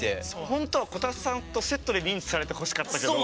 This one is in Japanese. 本当はこたつさんとセットで認知されてほしかったけど。